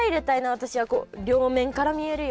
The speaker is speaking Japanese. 私はこう両面から見えるように。